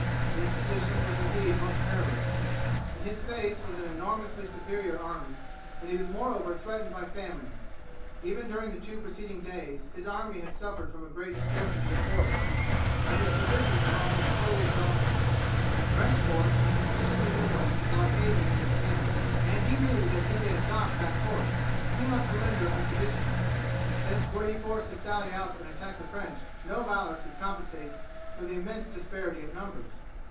His position was indeed most perilous. In his face was an enormously superior army, and he was moreover threatened by famine; even during the two preceding days his army had suffered from a great scarcity of forage, and its provisions were almost wholly exhausted. The French force was sufficiently numerous to blockade him in his camp, and he knew that did they adopt that course he must surrender unconditionally, since were he forced to sally out and attack the French no valour could compensate for the immense disparity of numbers.